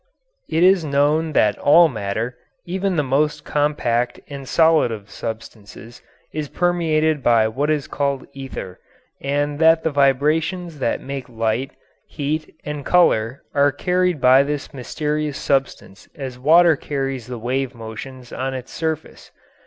It is known that all matter, even the most compact and solid of substances, is permeated by what is called ether, and that the vibrations that make light, heat, and colour are carried by this mysterious substance as water carries the wave motions on its surface.